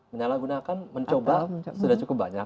menyalahgunakan mencoba sudah cukup banyak